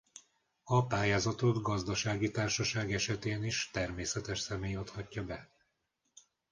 A pályázatot gazdasági társaság esetén is természetes személy adhatja be.